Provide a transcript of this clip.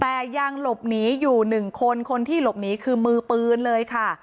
แต่ยังหลบหนีอยู่หนึ่งคนคนที่หลบหนีคือมือปืนเลยค่ะ